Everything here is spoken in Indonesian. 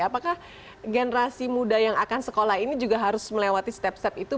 apakah generasi muda yang akan sekolah ini juga harus melewati step step itu